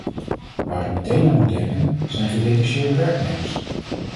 Waar ik meteen aan moet denken, zijn gedetacheerde werknemers.